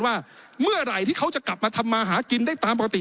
ว่าเมื่อไหร่ที่เขาจะกลับมาทำมาหากินได้ตามปกติ